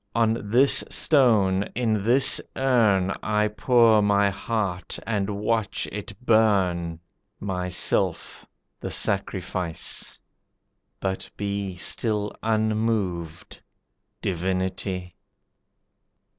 On this stone, in this urn I pour my heart and watch it burn, Myself the sacrifice; but be Still unmoved: Divinity."